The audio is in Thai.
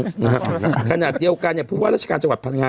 ส่วนใจคณฑเดียวกันอย่าฟูบว่ารัชการฯจะวรตรภลางา